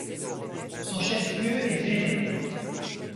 Son chef-lieu est Béré.